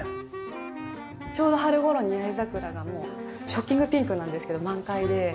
ちょうど春ごろに八重桜がもうショッキングピンクなんですけど満開で。